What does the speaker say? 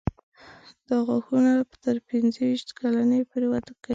دا غاښونه تر پنځه ویشت کلنۍ پورې وده کوي.